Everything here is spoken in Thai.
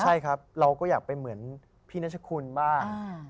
ใช่ครับเราก็อยากเป็นเหมือนพี่นัชคุณบ้าง